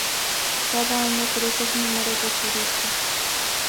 Cada año crece el número de turistas.